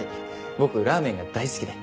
僕ラーメンが大好きで。